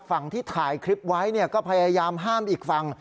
ฝั่งที่ถ่ายคลิปไว้ก็พยายามห้ามอีกฝั่ง